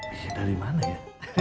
isinya dari mana ya